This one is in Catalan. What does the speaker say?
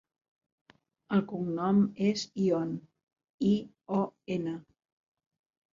El cognom és Ion: i, o, ena.